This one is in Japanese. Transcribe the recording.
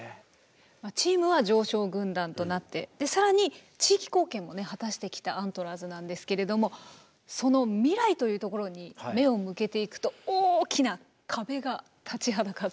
チームは常勝軍団となってで更に地域貢献もね果たしてきたアントラーズなんですけれどもその未来というところに目を向けていくと大きな壁が立ちはだかっているんです。